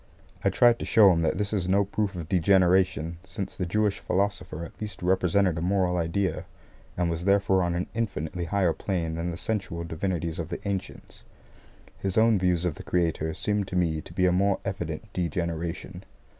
I tried to show him that this is no proof of degeneration, since the Jewish Philosopher at least represented a moral idea, and was therefore on an infinitely higher plane than the sensual divinities of the ancients. His own views of the Creator seem to me to be a more evident degeneration.